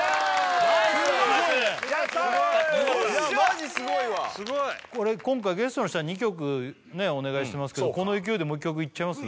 ・すごいいやマジすごいわ今回ゲストの人は２曲お願いしてますけどこの勢いでもう１曲いっちゃいます？